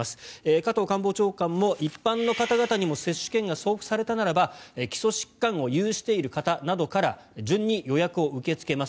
加藤官房長官も、一般の方々にも接種券が送付されたならば基礎疾患を有している方などから順に予約を受け付けます。